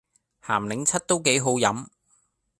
咸檸七都幾好飲